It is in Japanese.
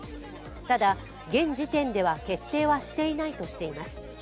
ただ、現時点では決定はしていないとしています。